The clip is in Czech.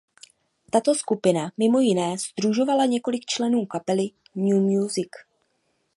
Tato skupina mimo jiné sdružovala několik členů kapely "New Musik".